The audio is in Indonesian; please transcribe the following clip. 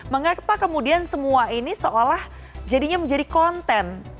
mengapa kemudian semua ini seolah jadinya menjadi konten